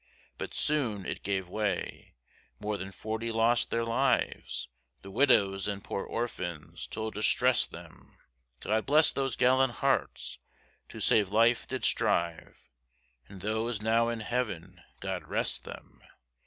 But soon it gave way, more than 40 lost their lives, The widows and poor orphans 'twill distress them; God bless those gallant hearts, to save life did strive, And those now in Heaven, God rest them.